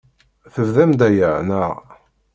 Tebdam-d aya, naɣ?